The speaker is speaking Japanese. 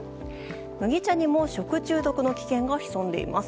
麦茶にも食中毒の危険が潜んでいます。